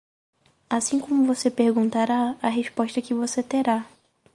Assim como você perguntará, a resposta que você terá.